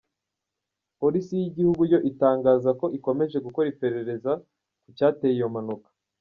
Polisi y’igihugu yo itangaza ko ikomeje gukora iperereza ku cyateye iyo mpanuka.